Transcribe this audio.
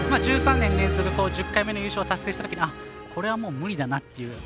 １３年に連続１０回目の優勝を達成したときこれはもう無理だなっていう。